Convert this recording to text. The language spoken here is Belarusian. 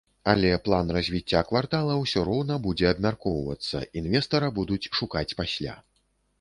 Але план развіцця квартала ўсё роўна будзе абмяркоўвацца, інвестара будуць шукаць пасля.